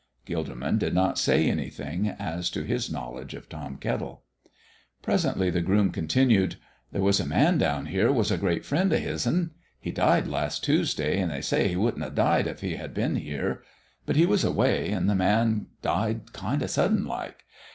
Gilderman did not say anything as to his knowledge of Tom Kettle. Presently the groom continued: "There was a man down here was a great friend of His'n. He died last Tuesday, and they say he wouldn't have died if He had been here. But He was away and the man died kind of sudden like.